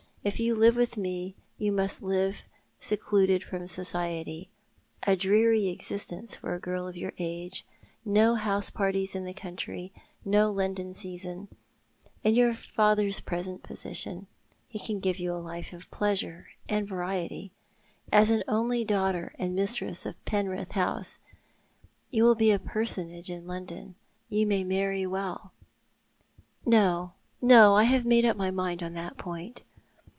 If you live with me you must live secluded from society — a dreary existence for a girl of your age — no house parties in the country — no London season. In your father's present position he can give you a life of pleasure and variety. As an only daughter and mistress of Penrith House, you will be a personage in London. You may marry well "" No, no, I have made up my mind upon that point.